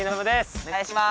お願いします。